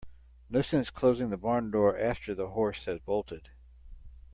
No sense closing the barn door after the horse has bolted.